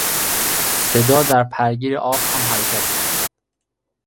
صدا در پرگیر آب هم حرکت میکند.